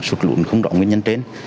sụt lụn không rõ nguyên nhân trên